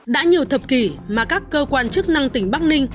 đã nhiều thập kỷ mà các cơ quan chức năng tỉnh bắc ninh